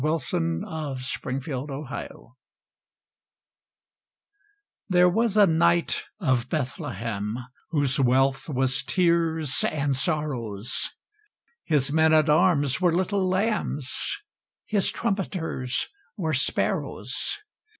WILLIAM BLAKE. THE KNIGHT OF BETHLEHEM There was a Knight of Bethlehem, Whose wealth was tears and sorrows; His men at arms were little lambs, His trumpeters were sparrows.